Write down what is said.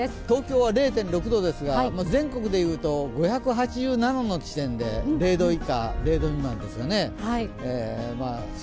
東京は０．６度ですが全国で言うと５７８の地点で、０度以下、０度未満ですね。